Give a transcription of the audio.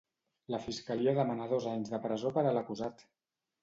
La fiscalia demana dos anys de presó per a l'acusat.